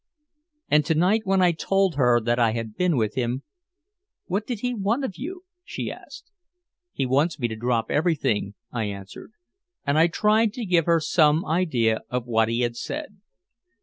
And to night when I told her that I had been with him, "What did he want of you?" she asked. "He wants me to drop everything," I answered. And I tried to give her some idea of what he had said.